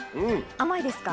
甘いですか？